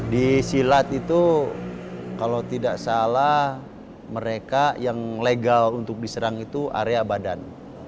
di silat itu kalau tidak salah mereka yang legal untuk diserang itu area badan